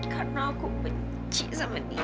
karena aku benci sama dia